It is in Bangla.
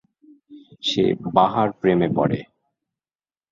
সে বাহার প্রেমে পড়ে।